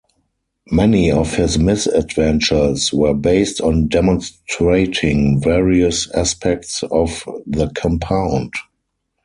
Many of his misadventures were based on demonstrating various aspects of the compound.